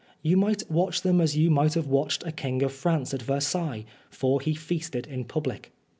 You might watch them as you might have watched a King of France at Versailles, for he feasted in public.